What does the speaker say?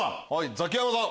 ザキヤマさん。